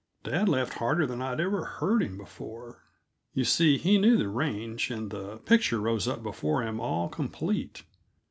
Dad laughed harder than I'd ever heard him before; you see, he knew the range, and the picture rose up before him all complete.